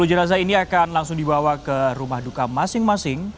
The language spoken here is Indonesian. sepuluh jenazah ini akan langsung dibawa ke rumah duka masing masing